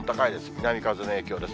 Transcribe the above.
南風の影響です。